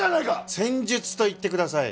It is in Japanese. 戦術と言ってください。